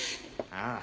ああ。